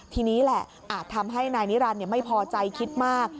ทีนี้แหละอาจทำให้นายนิรันดิ์ไม่พอใจคิดมาก